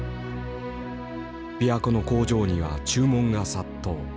琵琶湖の工場には注文が殺到。